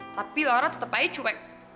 tapi laura tetep aja cuek